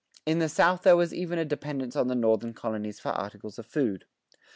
In the South there was even a dependence on the Northern colonies for articles of food.